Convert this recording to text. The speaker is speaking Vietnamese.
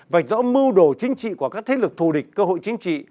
vạch rõ mưu đồ chính trị của các thế lực thù địch cơ hội chính trị